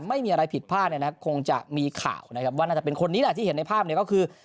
ไม่มีอะไรผิดพลาดเนี่ยนะครับคงจะมีข่าวนะครับว่าน่าจะเป็นคนนี้แหละที่เห็นในภาพเนี่ยก็คือ